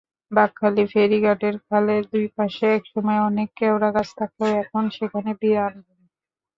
বাঁকখালী ফেরিঘাটের খালের দুই পাশে একসময় অনেক কেওড়াগাছ থাকলেও এখন সেখানে বিরান ভূমি।